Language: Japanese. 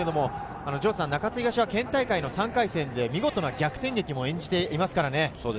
中津東は県大会の３回戦で見事な逆転劇も演じていますからね。